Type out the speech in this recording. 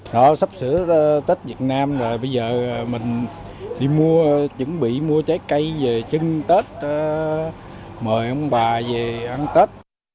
họ sắp sửa tết việt nam rồi bây giờ mình đi mua chuẩn bị mua trái cây về chưng tết mời ông bà về ăn tết